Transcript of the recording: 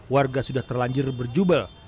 warga sudah terlanjur berjubel